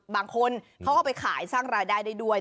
บางคนเขาเอาไปขายสร้างรายได้ได้ด้วย